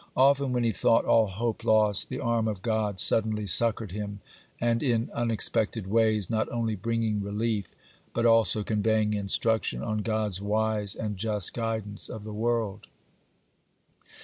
Often when he thought all hope lost, the arm of God suddenly succored him, and in unexpected ways, not only bringing relief, but also conveying instruction on God's wise and just guidance of the world.